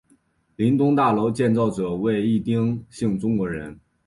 林东大楼建造者为一丁姓中国人。